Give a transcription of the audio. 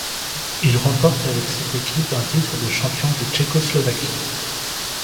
Il remporte avec cette équipe un titre de champion de Tchécoslovaquie.